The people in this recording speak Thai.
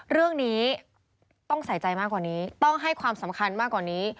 เรื่องนี้ต้องใส่ใจมากกว่านี้ต้องให้ความสำคัญมากกว่านี้